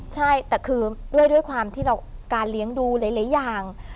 ใช่แต่คือด้วยความที่เราการเลี้ยงดูหลายอย่าง